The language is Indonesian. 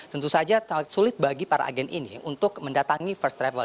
tentu saja sulit bagi para agen ini untuk mendatangi first travel